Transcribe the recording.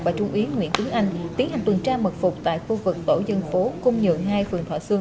và trung ý nguyễn tướng anh tiến hành tuần tra mật phục tại khu vực tổ dân phố cung nhượng hai phường thọ sương